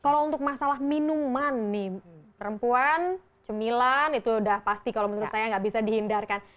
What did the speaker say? kalau untuk masalah minuman nih perempuan cemilan itu udah pasti kalau menurut saya nggak bisa dihindarkan